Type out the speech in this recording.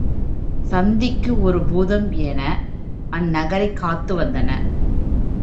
சந்திக்கு ஒரு பூதம் என அந் நகரைக் காத்து வந்தன.